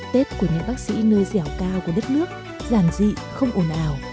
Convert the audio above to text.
tết của những bác sĩ nơi dẻo cao của đất nước giản dị không ổn ảo